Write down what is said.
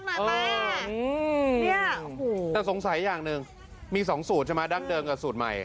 แต่สงสัยอย่างหนึ่งมี๒สูตรใช่ไหมดั้งเดิมกับสูตรใหม่